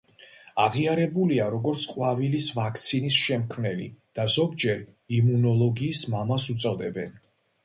აღიარებულია, როგორც ყვავილის ვაქცინის შემქმნელი და ზოგჯერ „იმუნოლოგიის მამას“ უწოდებენ.